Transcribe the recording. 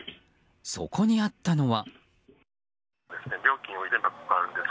そこにあったのは。